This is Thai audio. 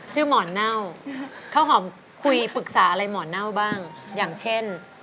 หมอนเน่าข้าวหอมคุยปรึกษาอะไรหมอนเน่าบ้างอย่างเช่น